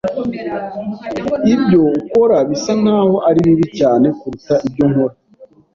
Ibyo ukora bisa nkaho ari bibi cyane kuruta ibyo nkora.